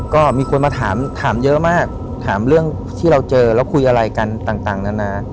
ก็มีคนมาถามเยอะมากถามเรื่องที่เราเจอแล้วคุยอะไรกันต่างนานา